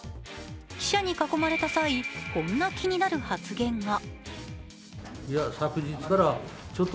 記者に囲まれた際、こんな気になる発言が。